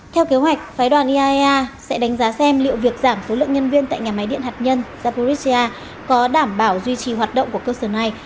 theo kế hoạch phái đoàn iaea sẽ đánh giá xem liệu việc giảm số lượng nhân viên tại nhà máy điện hạt nhân zaporizhia có đảm bảo duy trì hoạt động của cơ sở này